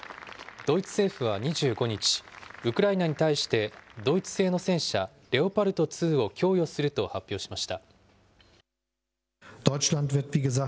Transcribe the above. ドイツ政府は２５日、ウクライナに対してドイツ製の戦車レオパルト２を供与すると発表しました。